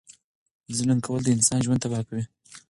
ظلم کول د انسان ژوند تبا کوي.